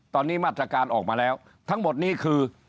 ตอนนี้มาตรการออกมาแล้วทั้งหมดนี้คือ